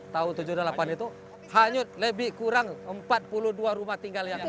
tahun seribu sembilan ratus tujuh puluh delapan itu hanyut lebih kurang empat puluh dua rumah tinggal yang ada